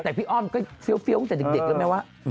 แต่พี่อ้อมก็เฟี้ยวตั้งแต่เด็กแล้วไหมว่า